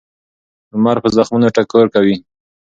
لمر به زخمونه ټکور کړي.